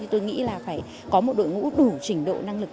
tôi nghĩ là phải có một đội ngũ đủ trình độ năng lực